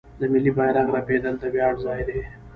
د ملي بیرغ رپیدل د ویاړ ځای دی.